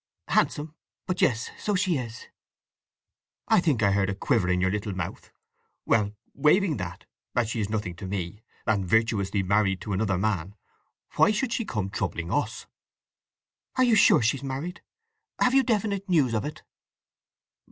"Handsome! But yes!—so she is!" "I think I heard a quiver in your little mouth. Well, waiving that, as she is nothing to me, and virtuously married to another man, why should she come troubling us?" "Are you sure she's married? Have you definite news of it?"